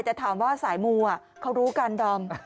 แต่ถามว่าสายมูอ่ะเขารู้กันครับ